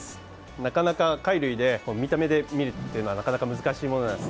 なかなか、貝類で見た目で見るというのはなかなか難しいものなのです。